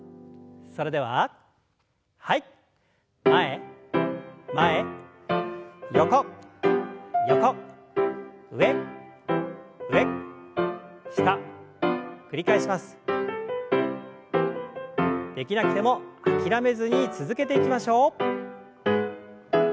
できなくても諦めずに続けていきましょう。